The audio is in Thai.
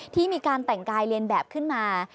ที่มีการแต่งกายเรียนแบบขึ้นมา